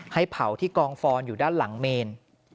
ให้เผาที่กองฟอนอยู่ด้านหลังเมน